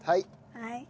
はい。